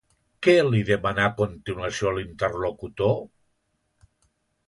Què li demana a continuació l'interlocutor?